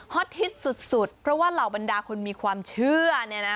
ฮิตสุดเพราะว่าเหล่าบรรดาคนมีความเชื่อเนี่ยนะ